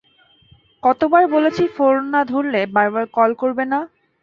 কতবার বলেছি ফোন না ধরলে বারবার কল করবে না।